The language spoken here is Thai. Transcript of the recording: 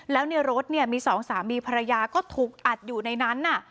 แล้วในรถเนี่ยมีสองสามีภรรยาก็ถูกอัดอยู่ในนั้น